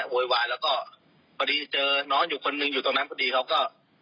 โวยวายแล้วก็พอดีเจอน้องอยู่คนหนึ่งอยู่ตรงนั้นพอดีเขาก็